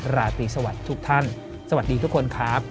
ราตรีสวัสดีทุกท่านสวัสดีทุกคนครับ